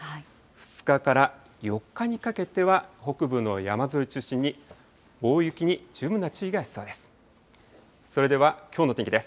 ２日から４日にかけては、北部の山沿いを中心に、大雪に十分な注意が必要です。